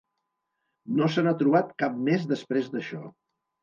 No se n'ha trobat cap més després d'això.